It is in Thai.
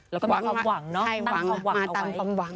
ต้องมีความหวังตามความหวังเอาไว้